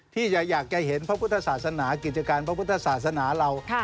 ที่อยากจะเห็นพระพุทธศาสนากิจการพระพุทธศาสนาเรา